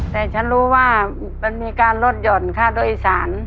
แต่ฉันรู้ว่ามันมีการลดห่อนค่าโดยสาร